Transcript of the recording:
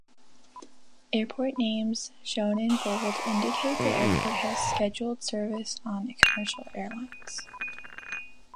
Airport names shown in bold indicate the airport has scheduled service on commercial airlines.